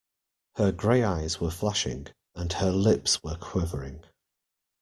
Her gray eyes were flashing, and her lips were quivering.